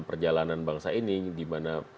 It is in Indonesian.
perjalanan bangsa ini dimana